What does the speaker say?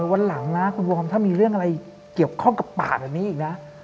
วันหลังนะคุณวอร์มถ้ามีเรื่องอะไรเกี่ยวข้องกับป่าแบบนี้อีกนะ